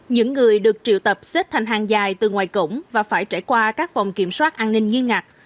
những người được triệu tập xếp thành hàng dài từ ngoài cổng và phải trải qua các vòng kiểm soát an ninh nghiêm ngặt